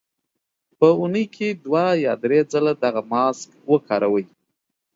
په اونۍ کې دوه یا درې ځله دغه ماسک وکاروئ.